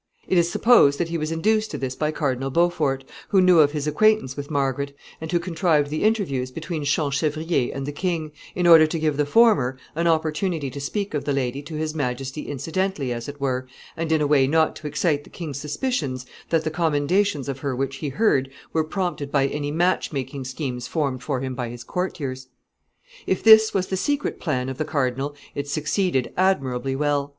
It is supposed that he was induced to this by Cardinal Beaufort, who knew of his acquaintance with Margaret, and who contrived the interviews between Champchevrier and the king, in order to give the former an opportunity to speak of the lady to his majesty incidentally, as it were, and in a way not to excite the king's suspicions that the commendations of her which he heard were prompted by any match making schemes formed for him by his courtiers. [Sidenote: His conversations with the king.] If this was the secret plan of the cardinal, it succeeded admirably well.